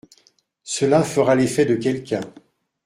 Cela fera l'effet de quelqu'un.